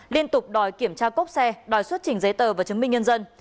liên tục đòi kiểm tra cốp xe đòi xuất chỉnh giấy tờ và chứng minh nhân dân